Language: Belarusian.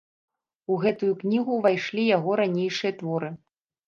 У гэтую кнігу ўвайшлі яго ранейшыя творы.